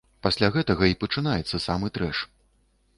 Пасля гэтага і пачынаецца самы трэш.